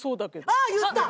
ああ言った！